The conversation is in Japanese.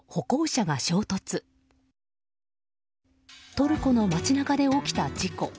トルコの街中で起きた事故。